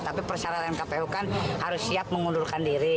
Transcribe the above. tapi persyaratan kpu kan harus siap mengundurkan diri